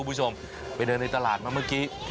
คุณคุณแล้วนะร้านนี้ดังแล้วก็เด็ด